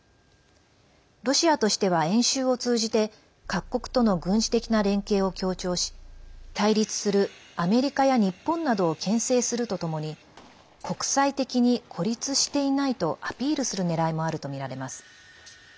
ロシアとしては演習を通じて各国との軍事的な連携を強調し対立するアメリカや日本などをけん制するとともに国際的に孤立していないとアピールするねらいもあるとみられます。